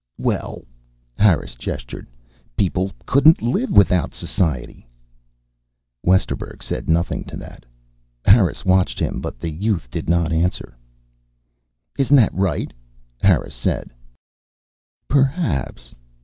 "Well " Harris gestured. "People couldn't live without society." Westerburg said nothing to that. Harris watched him, but the youth did not answer. "Isn't that right?" Harris said. "Perhaps.